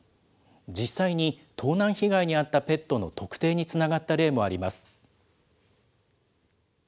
実際に盗難被害に遭ったペットの特定につながった例もあります。